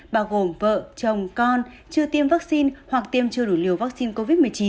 bao gồm vợ chồng con chưa tiêm vaccine hoặc tiêm chưa đủ liều vaccine covid một mươi chín